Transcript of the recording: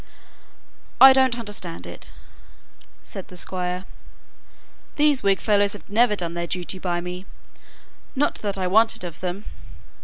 "I don't understand it," said the Squire. "These Whig fellows have never done their duty by me; not that I want it of them.